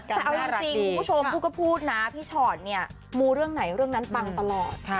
อะพี่ก็พูดนะพี่ชอตเนี่ยมูเรื่องไหนเรื่องนั้นปรังตลอด